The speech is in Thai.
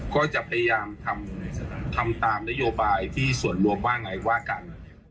ก็จะพยายามทำตามนโยบายที่ส่วนรวมว่าไงว่ากัน